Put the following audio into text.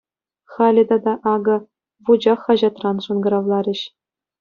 Халӗ тата, акӑ, «Вучах» хаҫатран шӑнкӑравларӗҫ.